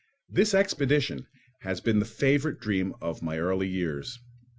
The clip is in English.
This expedition has been the favourite dream of my early years.